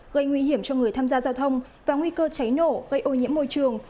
gây nguy hiểm cho người tham gia giao thông và nguy cơ cháy nổ gây ô nhiễm môi trường